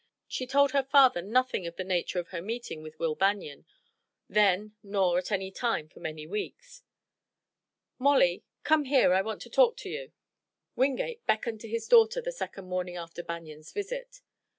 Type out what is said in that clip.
She told her father nothing of the nature of her meeting with Will Banion, then nor at any time for many weeks. "Molly, come here, I want to talk to you." Wingate beckoned to his daughter the second morning after Banion's visit.